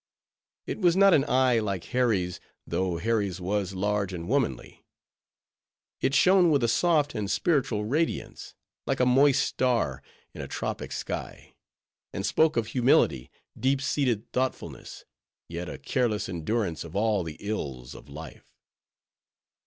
It was not an eye like Harry's tho' Harry's was large and womanly. It shone with a soft and spiritual radiance, like a moist star in a tropic sky; and spoke of humility, deep seated thoughtfulness, yet a careless endurance of all the ills of life.